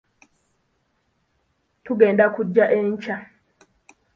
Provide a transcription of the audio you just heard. Tugenda kujja enkya.